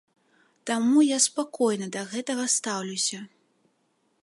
Таму я спакойна да гэтага стаўлюся.